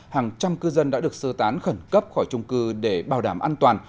hàng trăm cư dân đã được sơ tán khẩn cấp khỏi trung cư để bảo đảm an toàn